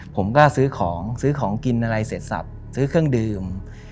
ผมก็ซื้อของซื้อของกินอะไรเสร็จสับซื้อเครื่องดื่ม